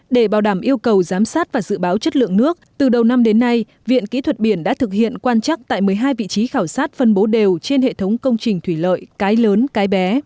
để bảo đảm yêu cầu giám sát và dự báo chất lượng nước từ đầu năm đến nay viện kỹ thuật biển đã thực hiện quan chắc tại một mươi hai vị trí khảo sát phân bố đều trên hệ thống công trình thủy lợi cái lớn cái bé